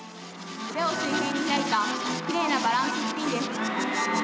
腕を水平に開いたきれいなバランススピンです。